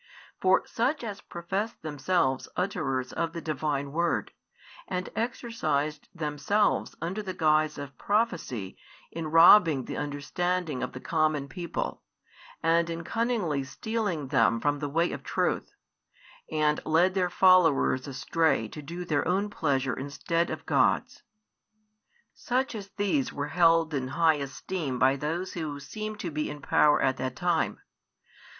For such as professed themselves utterers of the Divine Word, and exercised themselves under the guise of prophecy in robbing the understanding of the common people and in cunningly stealing them from the way of truth, and led their followers astray to do their own pleasure instead of God's, such as these were held in high esteem by those who seemed to be in power at that time.